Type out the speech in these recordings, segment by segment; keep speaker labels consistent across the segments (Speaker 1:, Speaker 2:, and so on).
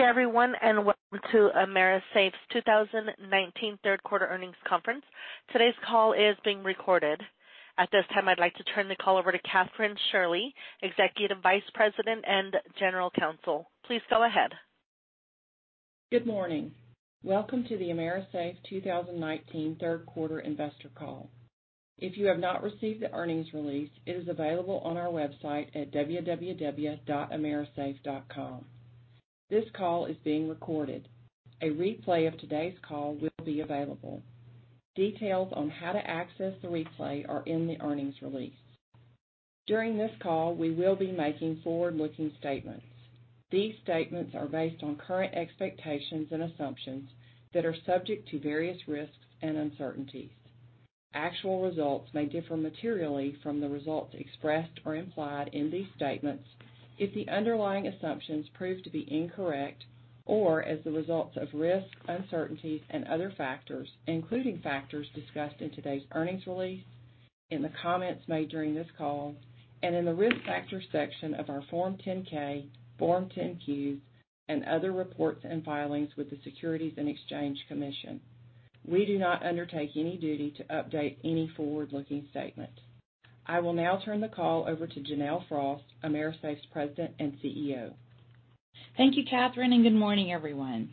Speaker 1: Good everyone, and welcome to AMERISAFE's 2019 third quarter earnings conference. Today's call is being recorded. At this time, I'd like to turn the call over to Kathryn Shirley, Executive Vice President and General Counsel. Please go ahead.
Speaker 2: Good morning. Welcome to the AMERISAFE 2019 third quarter investor call. If you have not received the earnings release, it is available on our website at www.amerisafe.com. This call is being recorded. A replay of today's call will be available. Details on how to access the replay are in the earnings release. During this call, we will be making forward-looking statements. These statements are based on current expectations and assumptions that are subject to various risks and uncertainties. Actual results may differ materially from the results expressed or implied in these statements if the underlying assumptions prove to be incorrect or as a result of risks, uncertainties and other factors, including factors discussed in today's earnings release, in the comments made during this call, and in the Risk Factors section of our Form 10-K, Form 10-Q, and other reports and filings with the Securities and Exchange Commission. We do not undertake any duty to update any forward-looking statement. I will now turn the call over to Janelle Frost, AMERISAFE's President and CEO.
Speaker 3: Thank you, Kathryn, and good morning, everyone.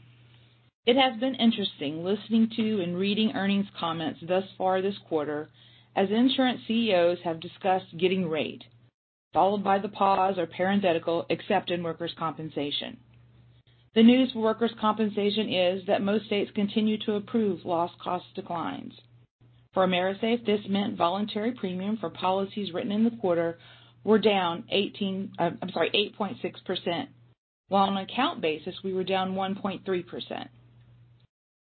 Speaker 3: It has been interesting listening to and reading earnings comments thus far this quarter as insurance CEOs have discussed getting rate, followed by the pause or parenthetical, except in workers' compensation. The news for workers' compensation is that most states continue to approve loss cost declines. For AMERISAFE, this meant voluntary premium for policies written in the quarter were down 8.6%, while on account basis, we were down 1.3%.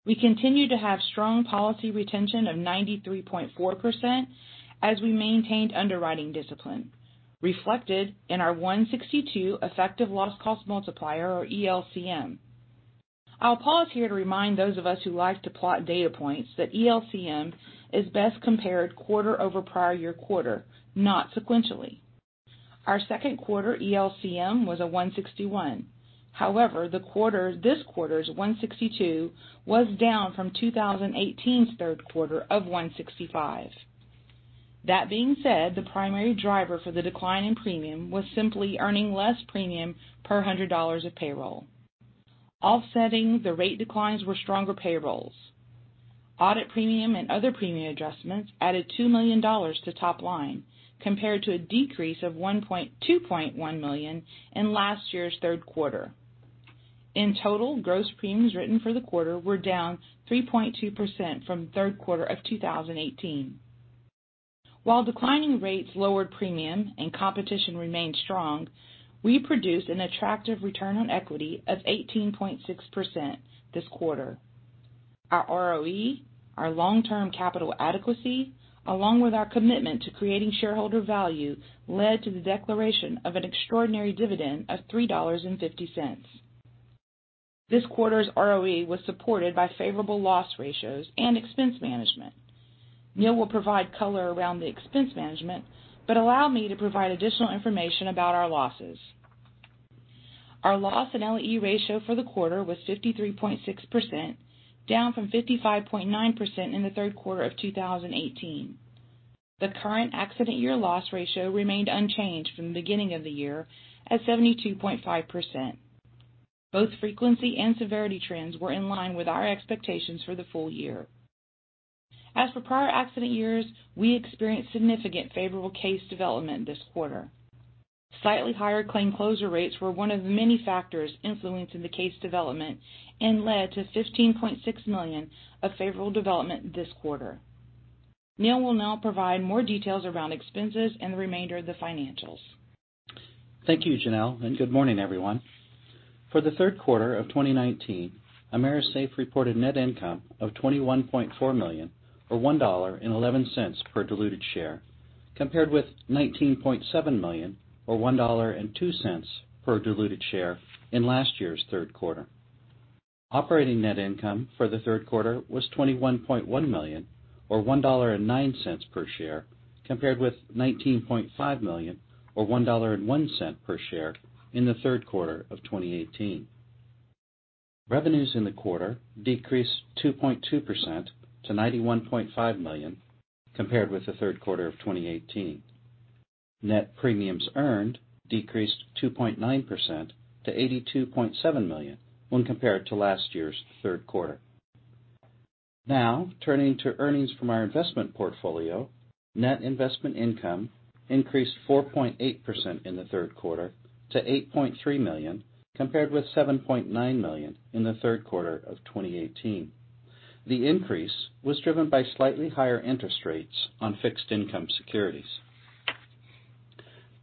Speaker 3: We continue to have strong policy retention of 93.4% as we maintained underwriting discipline, reflected in our 162 effective loss cost multiplier, or ELCM. I'll pause here to remind those of us who like to plot data points that ELCM is best compared quarter over prior year quarter, not sequentially. Our second quarter ELCM was a 161. However, this quarter's 162 was down from 2018's third quarter of 165. That being said, the primary driver for the decline in premium was simply earning less premium per 100 dollars of payroll. Offsetting the rate declines were stronger payrolls. Audit premium and other premium adjustments added $2 million to top line, compared to a decrease of $2.1 million in last year's third quarter. In total, gross premiums written for the quarter were down 3.2% from third quarter of 2018. While declining rates lowered premium and competition remained strong, we produced an attractive return on equity of 18.6% this quarter. Our ROE, our long-term capital adequacy, along with our commitment to creating shareholder value, led to the declaration of an extraordinary dividend of $3.50. This quarter's ROE was supported by favorable loss ratios and expense management. Neal will provide color around the expense management, but allow me to provide additional information about our losses. Our loss and LAE ratio for the quarter was 53.6%, down from 55.9% in the third quarter of 2018. The current accident year loss ratio remained unchanged from the beginning of the year at 72.5%. Both frequency and severity trends were in line with our expectations for the full year. As for prior accident years, we experienced significant favorable case development this quarter. Slightly higher claim closure rates were one of many factors influencing the case development and led to $15.6 million of favorable development this quarter. Neal will now provide more details around expenses and the remainder of the financials.
Speaker 4: Thank you, Janelle, and good morning, everyone. For the third quarter of 2019, AMERISAFE reported net income of $21.4 million, or $1.11 per diluted share, compared with $19.7 million or $1.02 per diluted share in last year's third quarter. Operating net income for the third quarter was $21.1 million or $1.09 per share, compared with $19.5 million or $1.01 per share in the third quarter of 2018. Revenues in the quarter decreased 2.2% to $91.5 million compared with the third quarter of 2018. Net premiums earned decreased 2.9% to $82.7 million when compared to last year's third quarter. Turning to earnings from our investment portfolio, net investment income increased 4.8% in the third quarter to $8.3 million, compared with $7.9 million in the third quarter of 2018. The increase was driven by slightly higher interest rates on fixed income securities.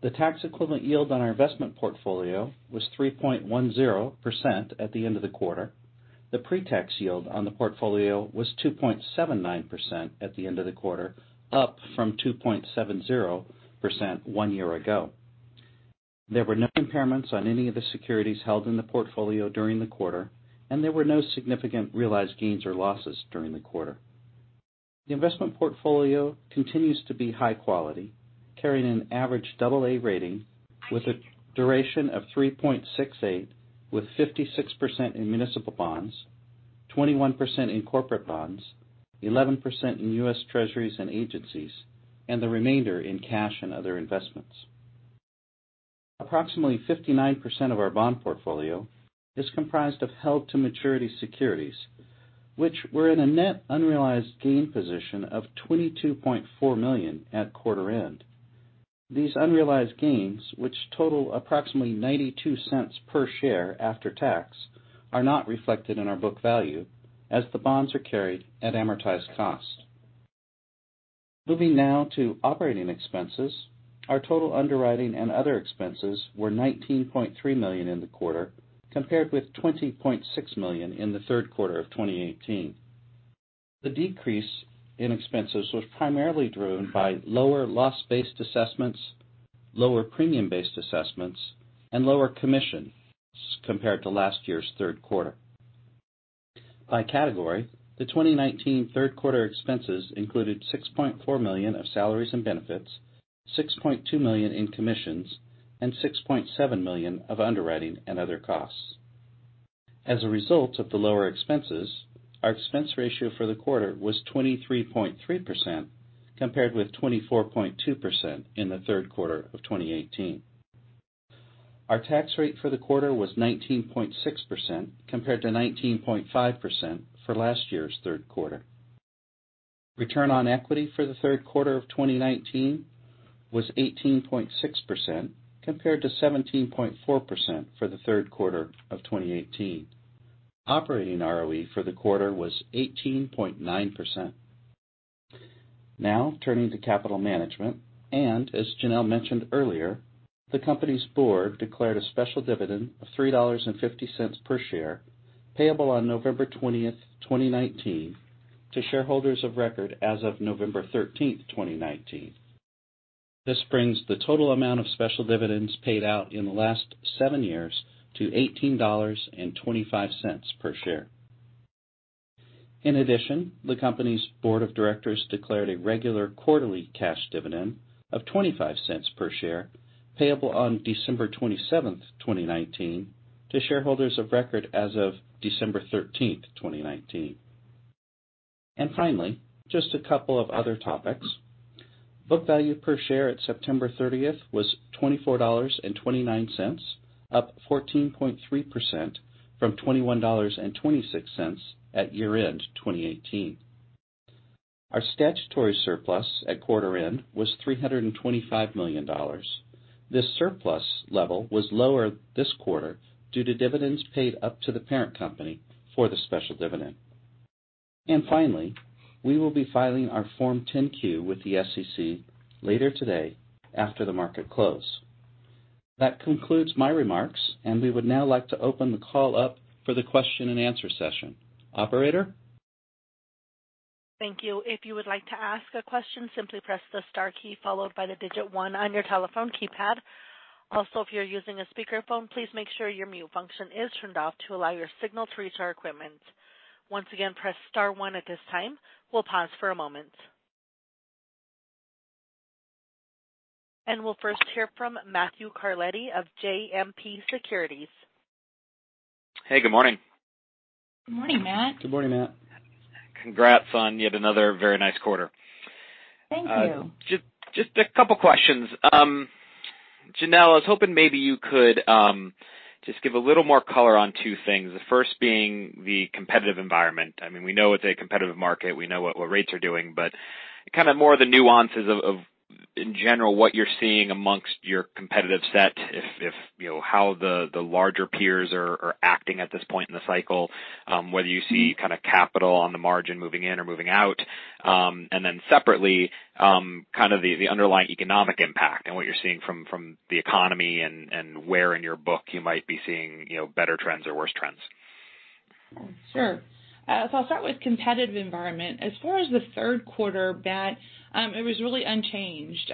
Speaker 4: The tax equivalent yield on our investment portfolio was 3.10% at the end of the quarter. The pre-tax yield on the portfolio was 2.79% at the end of the quarter, up from 2.70% one year ago. There were no impairments on any of the securities held in the portfolio during the quarter, and there were no significant realized gains or losses during the quarter. The investment portfolio continues to be high quality, carrying an average AA rating with a duration of 3.68, with 56% in municipal bonds, 21% in corporate bonds, 11% in U.S. Treasuries and agencies, and the remainder in cash and other investments. Approximately 59% of our bond portfolio is comprised of held-to-maturity securities, which were in a net unrealized gain position of $22.4 million at quarter end. These unrealized gains, which total approximately $0.92 per share after tax, are not reflected in our book value as the bonds are carried at amortized cost. Moving now to operating expenses. Our total underwriting and other expenses were $19.3 million in the quarter, compared with $20.6 million in the third quarter of 2018. The decrease in expenses was primarily driven by lower loss-based assessments, lower premium-based assessments, and lower commissions compared to last year's third quarter. By category, the 2019 third quarter expenses included $6.4 million of salaries and benefits, $6.2 million in commissions, and $6.7 million of underwriting and other costs. As a result of the lower expenses, our expense ratio for the quarter was 23.3%, compared with 24.2% in the third quarter of 2018. Our tax rate for the quarter was 19.6%, compared to 19.5% for last year's third quarter. Return on equity for the third quarter of 2019 was 18.6%, compared to 17.4% for the third quarter of 2018. Operating ROE for the quarter was 18.9%. Now turning to capital management, as Janelle mentioned earlier, the company's board declared a special dividend of $3.50 per share, payable on November 20th, 2019 to shareholders of record as of November 13th, 2019. This brings the total amount of special dividends paid out in the last seven years to $18.25 per share. In addition, the company's board of directors declared a regular quarterly cash dividend of $0.25 per share, payable on December 27th, 2019 to shareholders of record as of December 13th, 2019. Finally, just a couple of other topics. Book value per share at September 30th was $24.29, up 14.3% from $21.26 at year-end 2018. Our statutory surplus at quarter end was $325 million. This surplus level was lower this quarter due to dividends paid up to the parent company for the special dividend. Finally, we will be filing our Form 10-Q with the SEC later today after the market close. That concludes my remarks, and we would now like to open the call up for the question and answer session. Operator?
Speaker 1: Thank you. If you would like to ask a question, simply press the star key followed by the digit one on your telephone keypad. Also, if you're using a speakerphone, please make sure your mute function is turned off to allow your signal to reach our equipment. Once again, press star one at this time. We'll pause for a moment. We'll first hear from Matthew Carletti of JMP Securities.
Speaker 5: Hey, good morning.
Speaker 3: Good morning, Matt.
Speaker 4: Good morning, Matt.
Speaker 5: Congrats on yet another very nice quarter.
Speaker 3: Thank you.
Speaker 5: Just a couple questions. Janelle, I was hoping maybe you could just give a little more color on two things, the first being the competitive environment. We know it's a competitive market. We know what rates are doing, but kind of more the nuances of, in general, what you're seeing amongst your competitive set, how the larger peers are acting at this point in the cycle, whether you see capital on the margin moving in or moving out. And then separately, the underlying economic impact and what you're seeing from the economy and where in your book you might be seeing better trends or worse trends.
Speaker 3: Sure. I'll start with competitive environment. As far as the third quarter, Matt, it was really unchanged.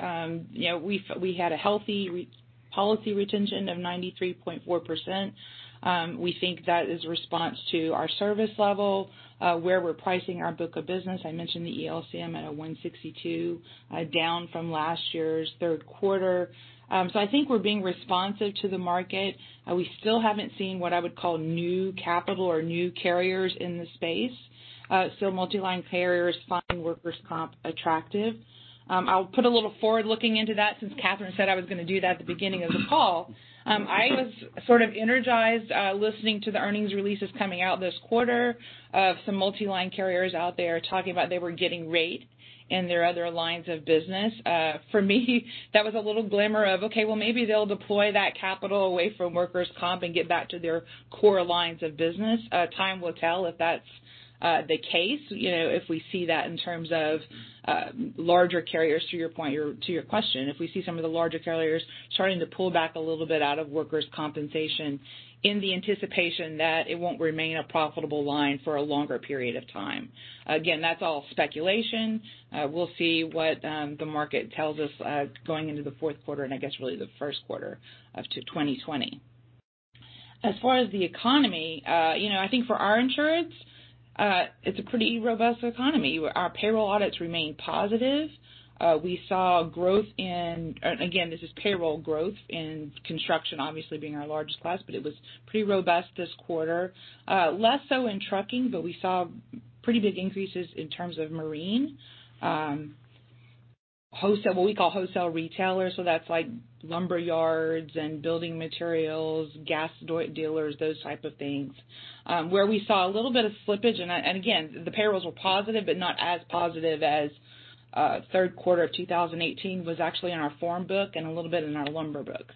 Speaker 3: We had a healthy policy retention of 93.4%. We think that is a response to our service level, where we're pricing our book of business. I mentioned the ELCM at a 162, down from last year's third quarter. I think we're being responsive to the market. We still haven't seen what I would call new capital or new carriers in the space. Multiline carriers find workers' comp attractive. I'll put a little forward-looking into that since Kathryn said I was going to do that at the beginning of the call. I was sort of energized listening to the earnings releases coming out this quarter of some multiline carriers out there talking about they were getting rate in their other lines of business. For me, that was a little glimmer of, okay, well maybe they'll deploy that capital away from workers' comp and get back to their core lines of business. Time will tell if that's the case, if we see that in terms of larger carriers, to your question, if we see some of the larger carriers starting to pull back a little bit out of workers' compensation in the anticipation that it won't remain a profitable line for a longer period of time. Again, that's all speculation. We'll see what the market tells us going into the fourth quarter and I guess really the first quarter of 2020. As far as the economy, I think for our insurance, it's a pretty robust economy. Our payroll audits remain positive. We saw growth in, again, this is payroll growth in construction obviously being our largest class, but it was pretty robust this quarter. Less so in trucking, we saw pretty big increases in terms of marine, what we call wholesale retailers, so that's like lumber yards and building materials, gas dealers, those type of things. Where we saw a little bit of slippage, the payrolls were positive, but not as positive as third quarter of 2018, was actually in our farm book and a little bit in our lumber book.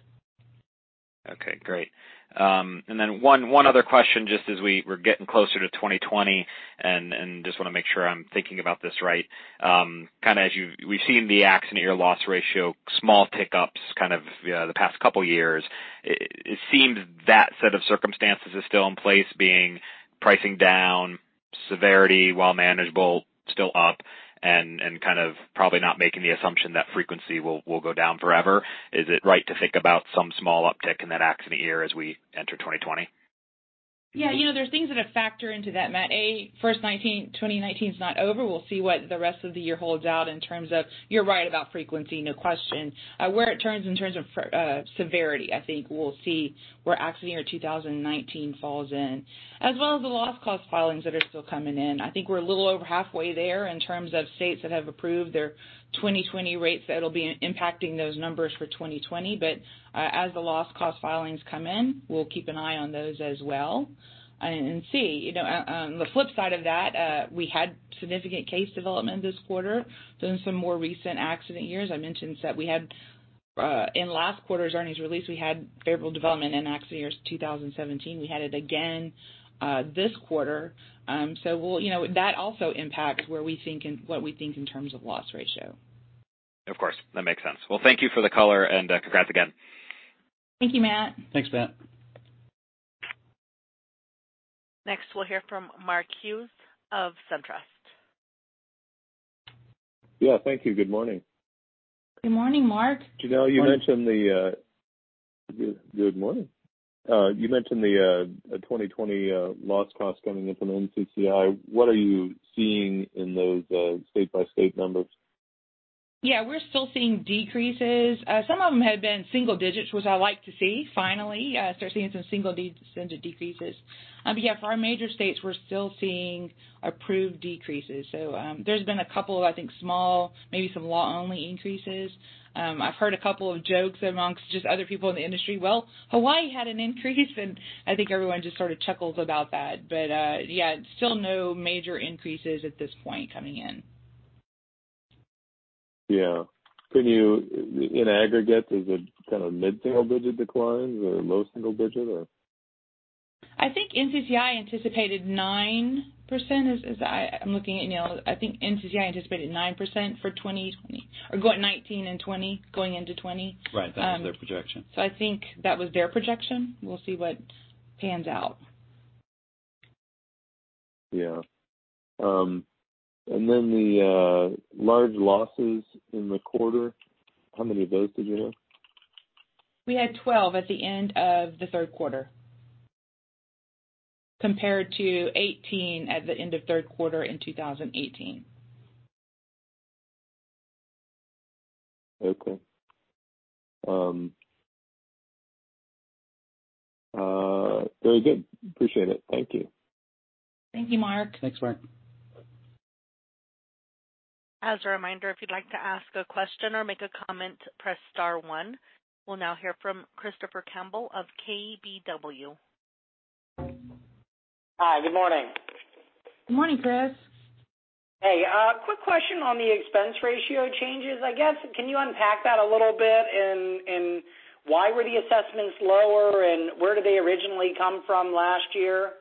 Speaker 5: Okay, great. One other question just as we're getting closer to 2020 and just want to make sure I'm thinking about this right. We've seen the accident year loss ratio, small tick ups kind of the past couple years. It seems that set of circumstances is still in place, being pricing down, severity, while manageable, still up, and kind of probably not making the assumption that frequency will go down forever. Is it right to think about some small uptick in that accident year as we enter 2020?
Speaker 3: Yeah. There's things that factor into that, Matt. A, 2019's not over. We'll see what the rest of the year holds out in terms of, you're right about frequency, no question. Where it turns in terms of severity, I think we'll see where accident year 2019 falls in. As well as the loss cost filings that are still coming in. I think we're a little over halfway there in terms of states that have approved their 2020 rates that'll be impacting those numbers for 2020. As the loss cost filings come in, we'll keep an eye on those as well and see. On the flip side of that, we had significant case development this quarter in some more recent accident years. I mentioned that in last quarter's earnings release, we had favorable development in accident years 2017. We had it again this quarter. That also impacts what we think in terms of loss ratio.
Speaker 5: Of course, that makes sense. Well, thank you for the color and congrats again.
Speaker 3: Thank you, Matt.
Speaker 4: Thanks, Matt.
Speaker 1: We'll hear from Mark Hughes of SunTrust.
Speaker 6: Yeah, thank you. Good morning.
Speaker 3: Good morning, Mark.
Speaker 6: Janelle, Good morning. You mentioned the 2020 loss cost coming in from NCCI. What are you seeing in those state-by-state numbers?
Speaker 3: Yeah, we're still seeing decreases. Some of them have been single digits, which I like to see, finally start seeing some single-digit decreases. Yeah, for our major states, we're still seeing approved decreases. There's been a couple of, I think, small, maybe some law-only increases. I've heard a couple of jokes amongst just other people in the industry, "Well, Hawaii had an increase," and I think everyone just sort of chuckles about that. Yeah, still no major increases at this point coming in.
Speaker 6: Yeah. In aggregate, is it kind of mid-single-digit declines or low-single-digit or?
Speaker 3: I think NCCI anticipated 9%. I'm looking at Neal. I think NCCI anticipated 9% for 2020, or go at 2019 and 2020, going into 2020.
Speaker 6: Right. That was their projection.
Speaker 3: I think that was their projection. We'll see what pans out.
Speaker 6: Yeah. Then the large losses in the quarter, how many of those did you have?
Speaker 3: We had 12 at the end of the third quarter compared to 18 at the end of third quarter in 2018.
Speaker 6: Okay. Very good. Appreciate it. Thank you.
Speaker 3: Thank you, Mark.
Speaker 4: Thanks, Mark.
Speaker 1: As a reminder, if you'd like to ask a question or make a comment, press star one. We'll now hear from Christopher Campbell of KBW.
Speaker 7: Hi, good morning.
Speaker 3: Good morning, Chris.
Speaker 7: Hey, quick question on the expense ratio changes. I guess, can you unpack that a little bit and why were the assessments lower and where did they originally come from last year?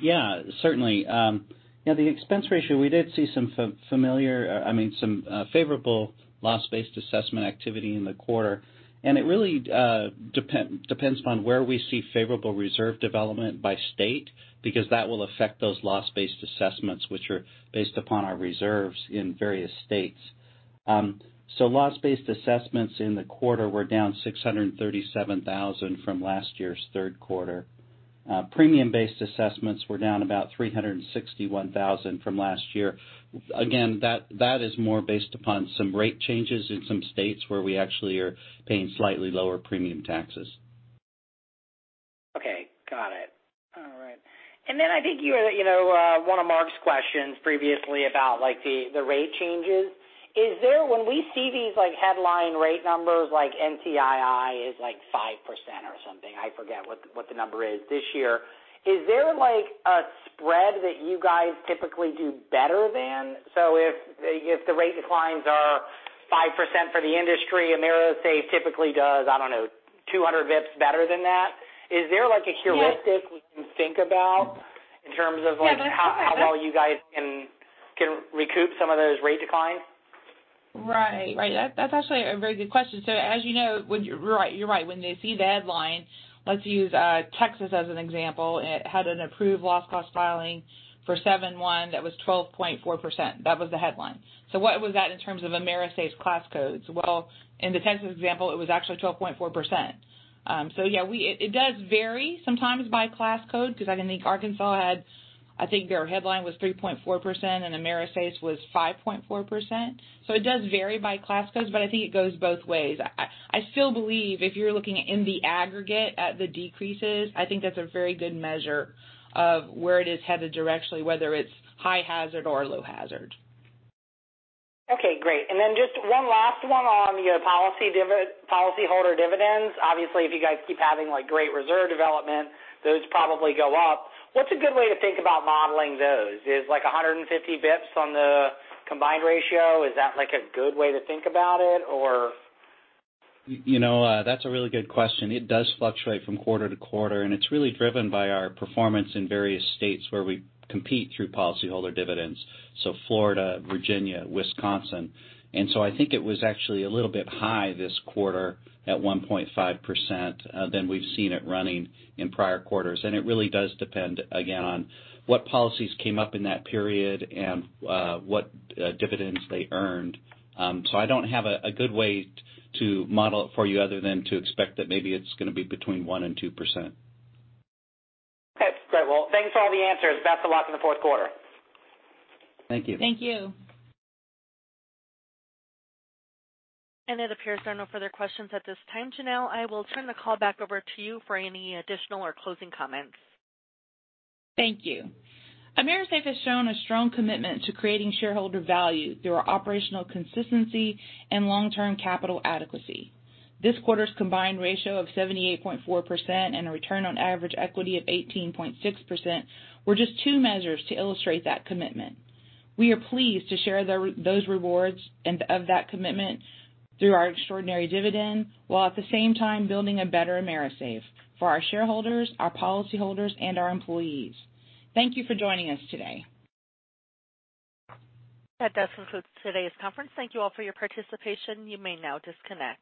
Speaker 4: Yeah, certainly. The expense ratio, we did see some favorable loss-based assessment activity in the quarter, and it really depends upon where we see favorable reserve development by state because that will affect those loss-based assessments which are based upon our reserves in various states. Loss-based assessments in the quarter were down $637,000 from last year's third quarter. Premium-based assessments were down about $361,000 from last year. Again, that is more based upon some rate changes in some states where we actually are paying slightly lower premium taxes.
Speaker 7: Okay. Got it. All right. Then I think one of Mark's questions previously about the rate changes. When we see these headline rate numbers like NCCI is like 5% or something, I forget what the number is this year, is there a spread that you guys typically do better than? So if the rate declines are 5% for the industry, AMERISAFE typically does, I don't know, 200 basis points better than that. Is there a heuristic-
Speaker 3: Yes
Speaker 7: we can think about in terms of-
Speaker 3: Yeah, that's a good question.
Speaker 7: How well you guys can recoup some of those rate declines?
Speaker 3: Right. That's actually a very good question. As you know, you're right. When they see the headline, let's use Texas as an example. It had an approved loss cost filing for 7/1 that was 12.4%. That was the headline. What was that in terms of AMERISAFE's class codes? Well, in the Texas example, it was actually 12.4%. Yeah, it does vary sometimes by class code because I think Arkansas had their headline was 3.4%, and AMERISAFE's was 5.4%. It does vary by class codes, but I think it goes both ways. I still believe if you're looking in the aggregate at the decreases, I think that's a very good measure of where it is headed directionally, whether it's high hazard or low hazard.
Speaker 7: Okay, great. Just one last one on your policyholder dividends. Obviously, if you guys keep having great reserve development, those probably go up. What's a good way to think about modeling those? Is 150 basis points on the combined ratio, is that a good way to think about it or?
Speaker 4: That's a really good question. It does fluctuate from quarter to quarter, and it's really driven by our performance in various states where we compete through policyholder dividends, so Florida, Virginia, Wisconsin. I think it was actually a little bit high this quarter at 1.5% than we've seen it running in prior quarters. It really does depend, again, on what policies came up in that period and what dividends they earned. I don't have a good way to model it for you other than to expect that maybe it's going to be between 1% and 2%.
Speaker 7: Okay, great. Well, thanks for all the answers. Best of luck in the fourth quarter.
Speaker 4: Thank you.
Speaker 3: Thank you.
Speaker 1: It appears there are no further questions at this time. Janelle, I will turn the call back over to you for any additional or closing comments.
Speaker 3: Thank you. AMERISAFE has shown a strong commitment to creating shareholder value through our operational consistency and long-term capital adequacy. This quarter's combined ratio of 78.4% and a return on average equity of 18.6% were just two measures to illustrate that commitment. We are pleased to share those rewards of that commitment through our extraordinary dividend, while at the same time building a better AMERISAFE for our shareholders, our policyholders, and our employees. Thank you for joining us today.
Speaker 1: That does conclude today's conference. Thank you all for your participation. You may now disconnect.